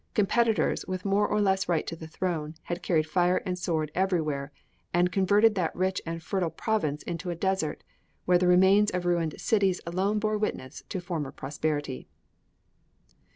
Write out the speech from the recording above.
Competitors, with more or less right to the throne, had carried fire and sword everywhere, and converted that rich and fertile province into a desert, where the remains of ruined cities alone bore witness to former prosperity.